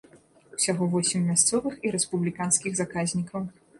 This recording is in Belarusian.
Усяго восем мясцовых і рэспубліканскіх заказнікаў.